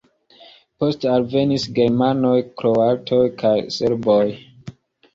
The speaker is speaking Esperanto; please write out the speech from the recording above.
Poste alvenis germanoj, kroatoj kaj serboj.